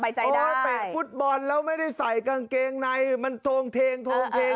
ถ้าเตะฟุตบอลแล้วไม่ได้ใส่กางเกงในมันโทงเทงโทงเทง